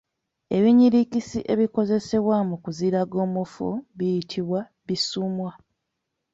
Ebinyirikisi ebikozesebwa mu kuziraga omufu biyitibwa Bisuumwa.